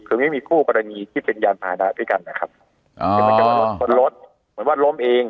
คือไม่มีคู่กรณีที่เป็นยานพานะด้วยกันนะครับชนรถเหมือนว่าล้มเอง